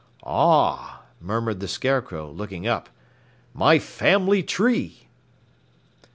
"Ah!" murmured the Scarecrow, looking up, "My family tree!"